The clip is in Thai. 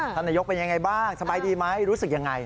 ท่านนายกเป็นยังไงบ้างสบายดีไหมรู้สึกยังไง